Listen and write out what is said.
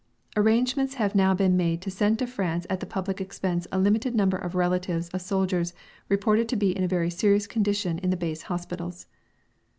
"Arrangements have now been made to send to France at the public expense a limited number of relatives of soldiers reported to be in a very serious condition in the Base Hospitals."